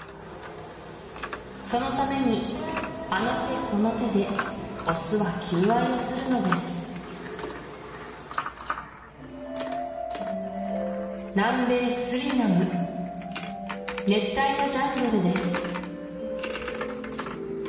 そのためにあの手この手でオスは求愛をするのです南米スリナム熱帯のジャングルです